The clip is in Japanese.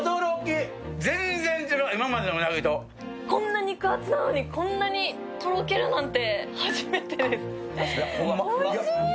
こんな肉厚なのに、こんなにとろけるなんて初めてです、おいしい。